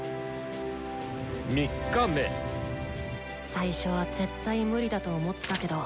最初は絶対ムリだと思ったけど。